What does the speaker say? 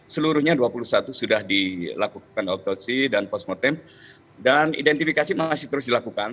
seluruhnya dua puluh satu sudah dilakukan otopsi dan postmotim dan identifikasi masih terus dilakukan